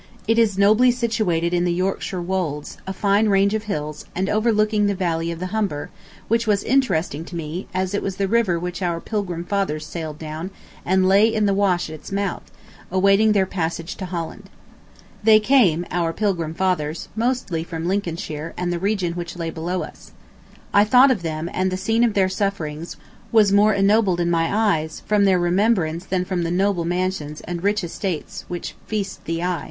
. It is nobly situated in the Yorkshire wolds, a fine range of hills, and overlooking the valley of the Humber, which was interesting to me, as it was the river which our Pilgrim fathers sailed down and lay in the Wash at its mouth, awaiting their passage to Holland. They came, our Plymouth fathers, mostly from Lincolnshire and the region which lay below us. I thought of them, and the scene of their sufferings was more ennobled in my eyes, from their remembrance than from the noble mansions and rich estates which feast the eye.